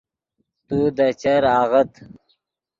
تو دے چر آغت